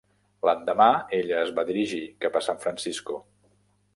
L'endemà, ella es va dirigir cap a San Francisco.